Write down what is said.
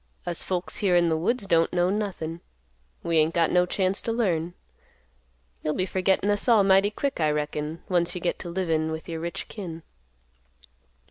Us folks here in the woods don't know nothin'. We ain't got no chance to learn. You'll be forgettin' us all mighty quick, I reckon, once you get to livin' with your rich kin."